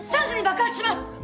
３時に爆発します！